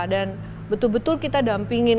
dan betul betul kita dampingin